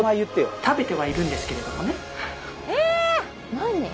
何？